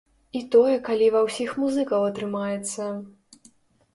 І тое калі ва ўсіх музыкаў атрымаецца.